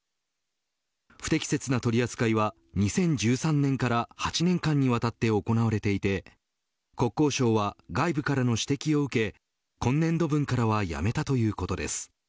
不適切な取り扱いは２０１３年から８年間にわたって行われていて国交省は外部からの指摘を受け今年度分からはやめたということです。